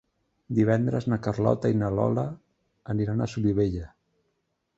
Divendres na Carlota i na Lola aniran a Solivella.